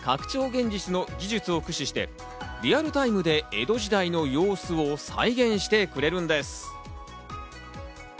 現実の技術を駆使して、リアルタイムで江戸時代の様子を再現してくれるんです。